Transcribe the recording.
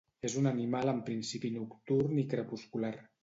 És una animal en principi nocturn i crepuscular.